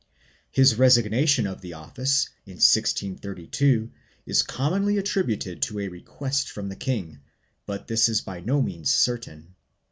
1 His resignation of the office, in 1632, is commonly attributed to a request from the king, but this is by no means certain.